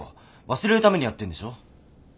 忘れるためにやってるんでしょ？